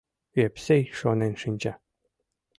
Епсей шонен шинча.